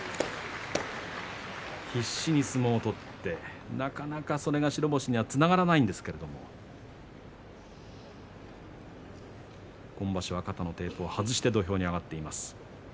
必死に相撲を取ってなかなか、それが白星にはつながらないんですけども今場所は肩のテープを外して土俵に上がっています。